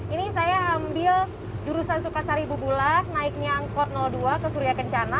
ini saya ambil jurusan sukasari bubulas naiknya angkot dua ke surya kencana